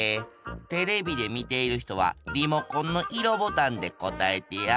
テレビでみているひとはリモコンの色ボタンで答えてや。